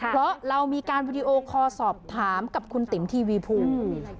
เพราะเรามีการวิดีโอคอสอบถามกับคุณติ๋มทีวีภูมิ